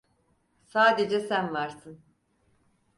Sadece sen varsın.